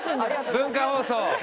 文化放送。